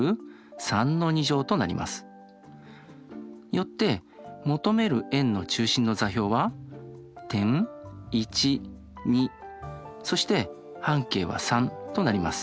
よって求める円の中心の座標は点そして半径は３となります。